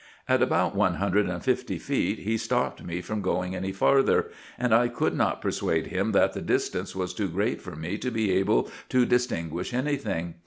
At about one hundred and fifty feet he stopped me from going any farther, and I could not persuade him that the distance was too great for me to be able to distinguish any thing.